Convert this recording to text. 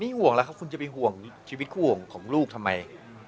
นี่ห่วงแล้วครับคุณจะไปห่วงชีวิตคู่ของลูกทำไม